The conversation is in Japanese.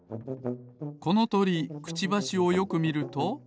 このとりクチバシをよくみると。